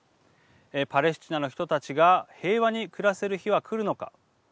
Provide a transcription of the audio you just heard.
パレスチナの人たちが平和に暮らせる日はくるのか。